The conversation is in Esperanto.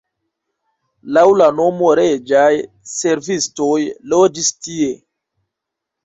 Laŭ la nomo reĝaj servistoj loĝis tie.